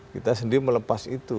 kita sendiri melepas itu